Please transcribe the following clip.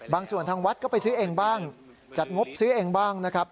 บางส่วนทางวัดก็ไปซื้อเองบ้างจัดงบซื้อเองบ้างนะครับ